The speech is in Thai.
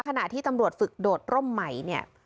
ขณะที่ตำรวจฝึกโดดร่มใหม่เนี่ย